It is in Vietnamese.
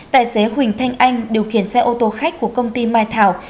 tài xế huỳnh thanh anh điều khiển xe ô tô khách của công ty mai thảo